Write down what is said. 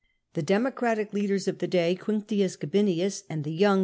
The Democratic leaders of the day, Quinctius, Gabinius, and the young 0